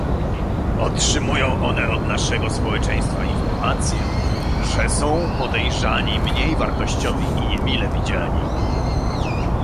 Otrzymują one od naszego społeczeństwa informację, że są podejrzani, mniej wartościowi i niemile widziani